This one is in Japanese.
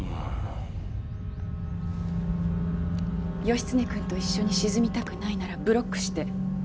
義経くんと一緒に沈みたくないならブロックして。